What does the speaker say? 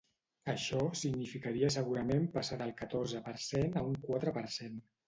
Això significaria segurament passar del catorze per cent a un quatre per cent.